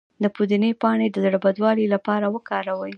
د پودینې پاڼې د زړه بدوالي لپاره وکاروئ